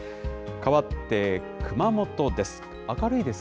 かわって熊本です。